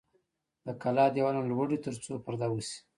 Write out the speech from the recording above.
د کلا دیوالونه لوړ وي ترڅو پرده وشي.